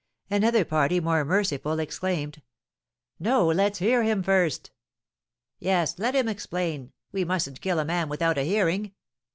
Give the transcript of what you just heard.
Another party, more merciful, exclaimed: "No, let's hear him first!" "Yes, let him explain; we mustn't kill a man without a hearing!"